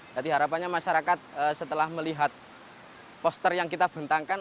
jadi harapannya masyarakat setelah melihat poster yang kita bentangkan